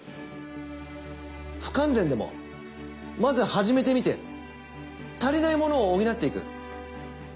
不完全でもまず始めてみて足りないものを補っていく。